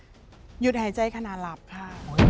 หยุดหายใจขณะหลับค่ะ